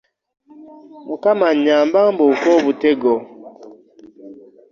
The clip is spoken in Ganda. Mukama annyambe mbuuke obutego.